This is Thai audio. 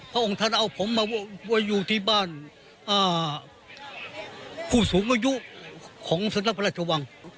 พระองค์ท่านเอาผมมาอยู่ที่บ้านผู้สูงอายุของสำนักพระราชวัง